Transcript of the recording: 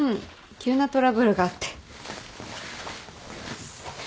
急なトラブルがあって。